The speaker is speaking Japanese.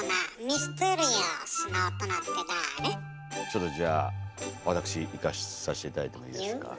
ちょっとじゃあわたくしいかさせて頂いてもいいですか？